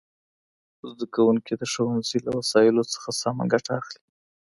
زدهکوونکي د ښوونځي له وسایلو څخه سمه ګټه اخلي.